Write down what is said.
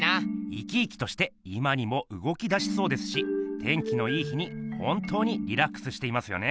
生き生きとして今にもうごきだしそうですし天気のいい日に本当にリラックスしていますよね。